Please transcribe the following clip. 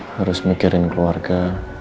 harus memikirkan keluarga